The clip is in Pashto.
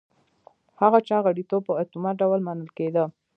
هغه چا غړیتوب په اتومات ډول منل کېده